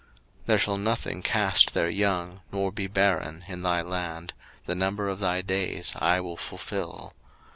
02:023:026 There shall nothing cast their young, nor be barren, in thy land: the number of thy days I will fulfil.